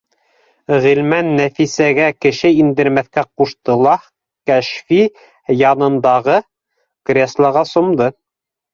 Ғилман Нәфисәгә кеше индермәҫкә ҡушты ла, Кәшфи янындағы креслоға сумды